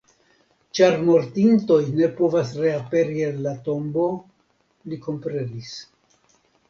Ĉar mortintoj ne povas reaperi el la tombo, li komprenis.